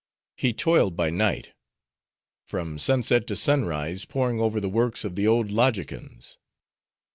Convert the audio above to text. He toiled by night; from sunset to sunrise poring over the works of the old logicans.